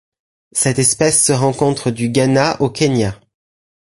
Cette espèce se rencontre du Ghana au Kenya.